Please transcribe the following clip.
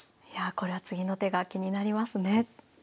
これは次の手が気になりますね。